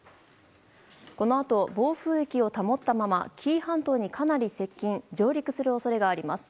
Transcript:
このあと、暴風域を保ったまま紀伊半島に、かなり接近・上陸する恐れがあります。